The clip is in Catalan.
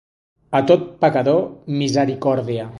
A tot pecador, misericòrdia.